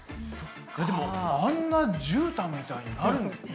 でもあんなじゅうたんみたいになるんですね。